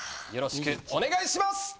よろしくお願いします！